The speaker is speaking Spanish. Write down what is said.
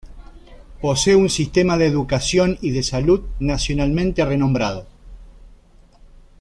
Posee un sistema de educación y de salud nacionalmente renombrado.